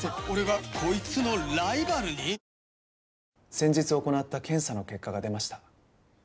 先日行った検査の結果が出ました。